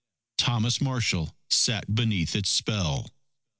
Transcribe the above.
_ Thomas Marshall sat beneath its spell.